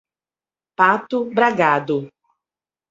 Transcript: Pato Bragado